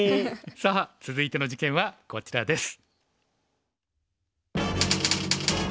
さあ続いて事件はこちらです。